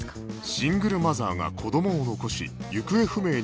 シングルマザーが子供を残し行方不明になった事件